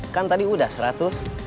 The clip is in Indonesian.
kan tadi udah seratus